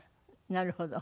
なるほど。